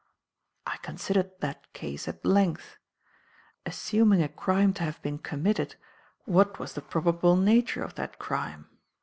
"I considered that case at length. Assuming a crime to have been committed, what was the probable nature of that crime?